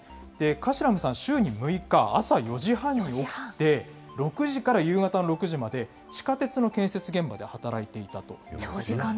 カシラムさん、週に６日、朝４時半に起きて、６時から夕方の６時まで、地下鉄の建設現場で働いて長時間労働ですね。